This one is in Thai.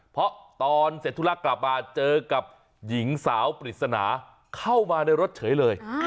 เพราะตอนเสร็จธุระกลับมาเจอกับหญิงสาวปริศนาเข้ามาในรถเฉยเลย